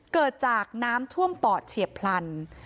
เกิดจากน้ำท่วมปอดเฉียบพลัน